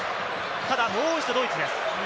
もう一度ドイツです。